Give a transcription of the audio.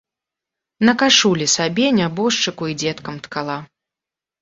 На кашулі сабе, нябожчыку і дзеткам ткала.